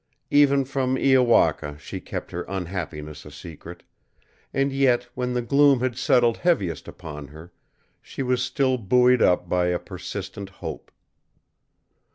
Even from Iowaka she kept her unhappiness a secret; and yet when the gloom had settled heaviest upon her, she was still buoyed up by a persistent hope.